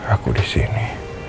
aku di sini